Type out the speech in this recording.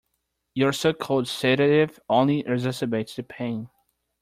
Your so-called sedative only exacerbates the pain.